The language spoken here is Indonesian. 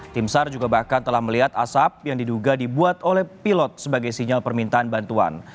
tim sar juga bahkan telah melihat asap yang diduga dibuat oleh pilot sebagai sinyal permintaan bantuan